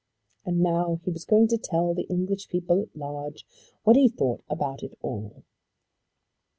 And now he was going to tell the English people at large what he thought about it all.